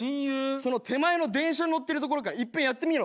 その手前の電車に乗ってるところからいっぺんやってみろ。